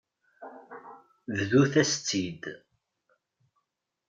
Bḍut-as-tt-id.